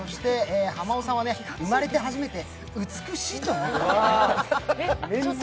濱尾さんは、生まれて初めて美しいと思った。